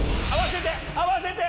合わせて！